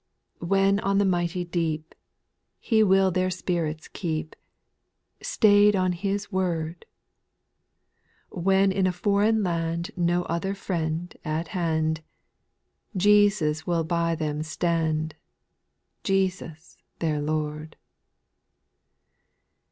4. When on the mighty deep. He will their spirits keep, Stay'd on His word : When in a foreign land No other friend at hand, Jesus will by them stand, — Jesus their Lord.